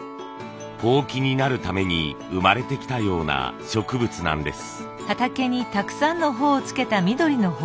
箒になるために生まれてきたような植物なんです。